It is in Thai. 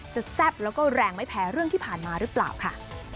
แซ่บแล้วก็แรงไม่แพ้เรื่องที่ผ่านมาหรือเปล่าค่ะ